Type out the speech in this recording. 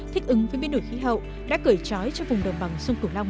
thích ứng với biến đổi khí hậu đã cởi trói cho vùng đồng bằng sông cửu long